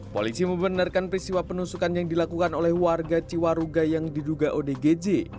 polisi membenarkan peristiwa penusukan yang dilakukan oleh warga ciwaruga yang diduga odgj